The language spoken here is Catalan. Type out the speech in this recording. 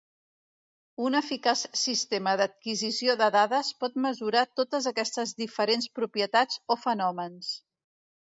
Un eficaç sistema d'adquisició de dades pot mesurar totes aquestes diferents propietats o fenòmens.